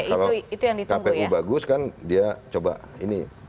kalau kpu bagus kan dia coba ini